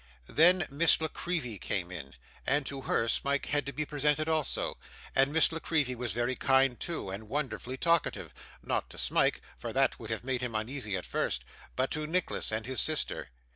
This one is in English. Then, Miss La Creevy came in; and to her Smike had to be presented also. And Miss La Creevy was very kind too, and wonderfully talkative: not to Smike, for that would have made him uneasy at first, but to Nicholas and his sister.